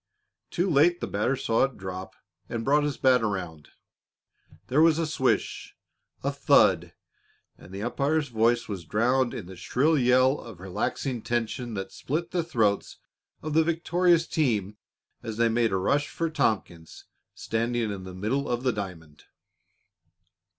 Too late the batter saw it drop and brought his bat around. There was a swish, a thud and the umpire's voice was drowned in the shrill yell of relaxing tension that split the throats of the victorious team as they made a rush for Tompkins, standing in the middle of the diamond.